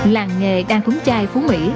làng nghề đang thúng chai phú mỹ